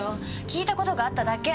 聞いた事があっただけ。